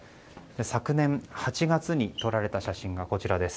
昨年８月に撮られた写真がこちらです。